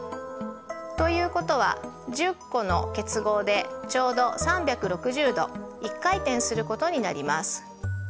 ということは１０個の結合でちょうど３６０度１回転することになります。